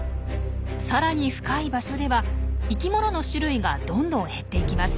さらに深い場所では生きものの種類がどんどん減っていきます。